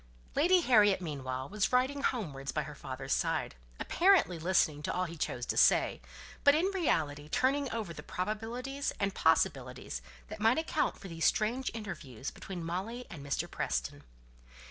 Lady Harriet, meanwhile, was riding homewards by her father's side, apparently listening to all he chose to say, but in reality turning over the probabilities and possibilities that might account for these strange interviews between Molly and Mr. Preston.